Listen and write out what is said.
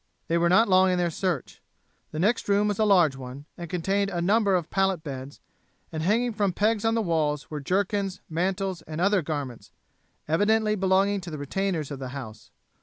They were not long in their search. The next room was a large one, and contained a number of pallet beds, and hanging from pegs on walls were jerkins, mantles, and other garments, evidently belonging to the retainers of the house.